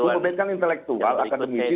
bang ubed kan intelektual akademisi